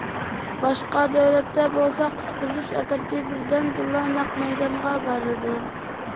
باشقا دۆلەتتە بولسا قۇتقۇزۇش ئەترىتى بىردەمدىلا نەق مەيدانغا بارىدۇ.